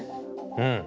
うん。